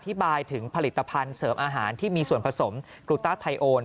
หมายถึงผลิตภัณฑ์เสริมอาหารที่มีส่วนผสมกลูต้าไทโอน